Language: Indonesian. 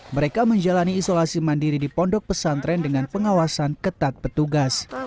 mereka menjalani isolasi mandiri di pondok pesantren dengan pengawasan ketat petugas